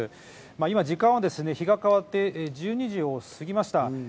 今、時間は日が変わって１２時をすぎました。